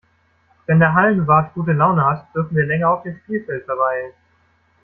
Wenn der Hallenwart gute Laune hat, dürfen wir länger auf dem Spielfeld verweilen.